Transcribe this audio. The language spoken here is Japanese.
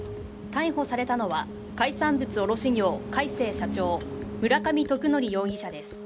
逮捕されたのは、海産物卸業海星社長、村上徳宗容疑者です。